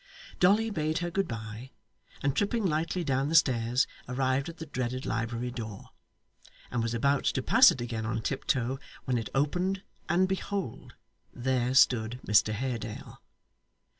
Dolly bade her good bye, and tripping lightly down the stairs arrived at the dreaded library door, and was about to pass it again on tiptoe, when it opened, and behold! there stood Mr Haredale.